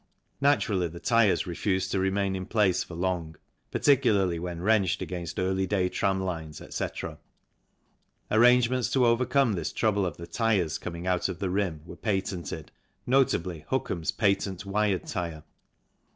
Naturally, the tyres refused to remain in place for long, particularly when wrenched against early day tram lines, etc. Arrangements to overcome this trouble of the tyres coming out of the rim were patented, notably Hookham's patent wired tyre.